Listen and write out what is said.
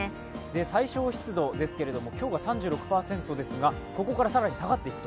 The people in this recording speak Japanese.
最小湿度ですけれども、今日が３６％ですが、ここから更に下がっていくと。